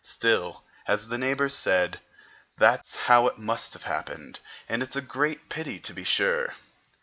Still, as the neighbors said, "that's how it must have happened, and it's a great pity, to be sure."